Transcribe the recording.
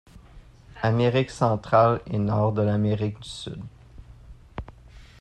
Amérique Centrale et nord de l'Amérique du Sud.